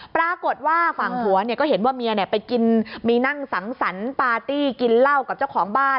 ปรากฏว่าฝั่งผัวเนี่ยก็เห็นว่าเมียไปกินมีนั่งสังสรรค์ปาร์ตี้กินเหล้ากับเจ้าของบ้าน